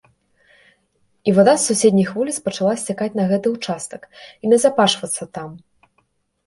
І вада з суседніх вуліц пачала сцякаць на гэты ўчастак і назапашвацца там.